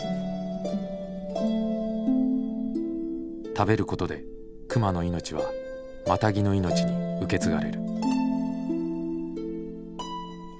食べることで熊の命はマタギの命に受け継がれる。